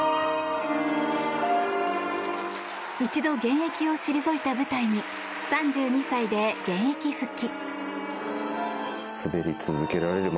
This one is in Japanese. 一度現役を退いた舞台に３２歳で現役復帰。